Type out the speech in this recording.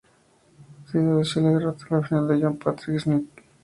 Dudi Sela derrotó en la final a John-Patrick Smith.